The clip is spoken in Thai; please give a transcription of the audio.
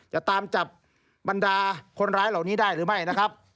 จะตามจับบรรดาคนร้ายเหล่านี้ได้หรือไม่นะครับ